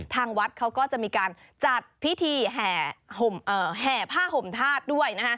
ทางวัดเขาก็จะมีการจัดพิธีแห่ผ้าห่มธาตุด้วย